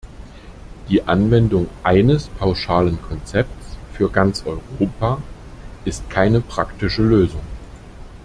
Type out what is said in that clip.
Die Anwendung eines pauschalen Konzepts für ganz Europa ist keine praktische Lösung.